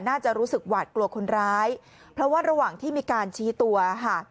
น่าจะรู้สึกหวาดกลัวคนร้ายเพราะว่าระหว่างที่มีการชี้ตัวค่ะ